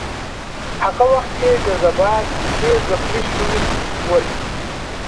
هغه وخت یې جذبات ډېر زخمي شوي ول.